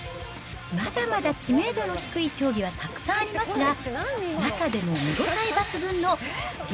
まだまだ知名度の低い競技はたくさんありますが、中でも見応え抜群の激